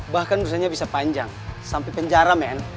bahkan urusannya bisa panjang sampai penjara men